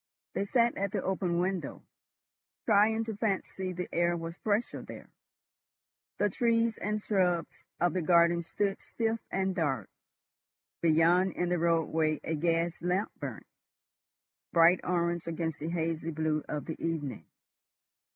They sat at the open window, trying to fancy the air was fresher there. The trees and shrubs of the garden stood stiff and dark; beyond in the roadway a gas lamp burnt, bright orange against the hazy blue of the evening.